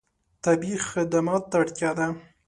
طبیعي خدمت ته اړتیا ده.